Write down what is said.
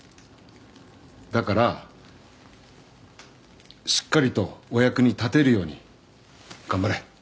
だからしっかりとお役に立てるように頑張れ。